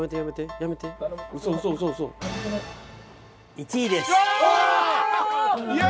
１位です。